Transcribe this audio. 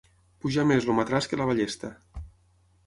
Pujar més el matràs que la ballesta.